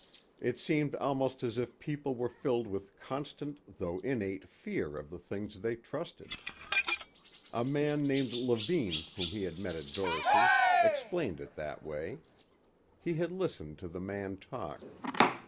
It seemed almost as if people were filled with constant though innate fear of the things they trusted. A man named Levine whom he had met at Doris' explained it that way. He had listened to the man talk